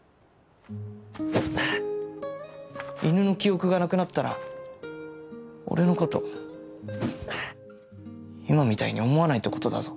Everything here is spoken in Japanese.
犬の記憶がなくなったら俺のこと今みたいに思わないってことだぞ？